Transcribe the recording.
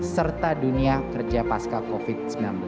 serta dunia kerja pasca covid sembilan belas